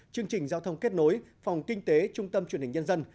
chương trình giao thông kết nối phòng kinh tế trung tâm truyền hình nhân dân